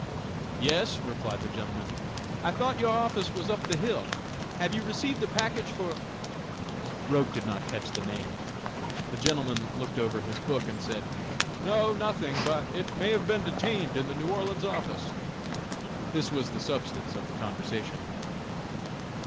"Yes," replied the gentleman. "I thought your office was up the hill. Have you received a package for ?" (Roch did not catch the name.) The gentleman looked over his book, and said: "No, nothing; but it may have been detained in the New Orleans office." This was the substance of the conversation.